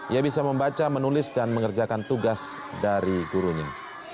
ia bisa membaca menulis dan mengerjakan tugas dari gurunya